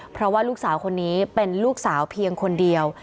เพราะว่าลูกสาวคนนี้เป็นลูกสาวเพียงคนเดียว